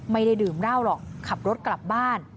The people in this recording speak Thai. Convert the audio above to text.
ไม่ได้ดื่มเหล้าหรอกขับรถกลับบ้าน